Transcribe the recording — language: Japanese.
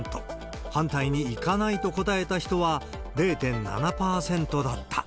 反対に行かないと答えた人は０．７％だった。